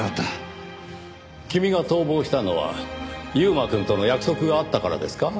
君が逃亡したのは優馬くんとの約束があったからですか？